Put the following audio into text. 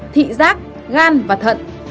thị giác gan và thận